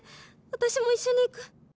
私も一緒に逝く！」。